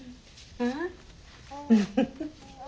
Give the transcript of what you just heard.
うん？